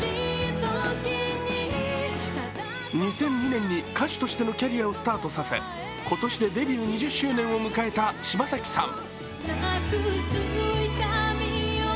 ２００２年に歌手としてのキャリアをスタートさせ今年でデビュー２０周年を迎えた柴咲さん。